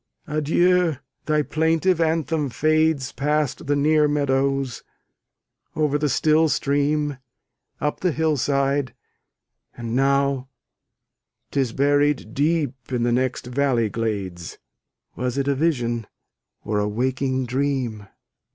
adieu! thy plaintive anthem fades Past the near meadows, over the still stream, Up the hill side; and now 'tis buried deep In the next valley glades: Was it a vision, or a waking dream?